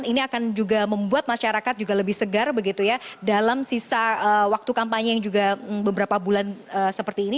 ini akan juga membuat masyarakat juga lebih segar begitu ya dalam sisa waktu kampanye yang juga beberapa bulan seperti ini